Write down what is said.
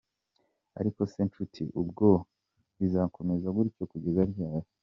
Ariko se nshuti, ubwo bizakomeza gutyo kugeza ryari ?.